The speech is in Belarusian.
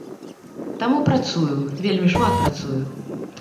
Таму працую, вельмі шмат працую.